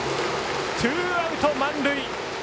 ツーアウト、満塁。